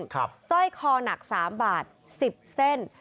สร้อยคอหนัก๓บาท๑๐เส้น